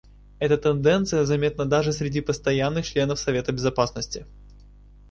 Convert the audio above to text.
Эта тенденция заметна даже среди постоянных членов Совета Безопасности.